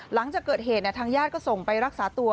หลังจากเกิดเหตุทางญาติก็ส่งไปรักษาตัว